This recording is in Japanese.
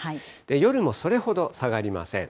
夜もそれほど下がりません。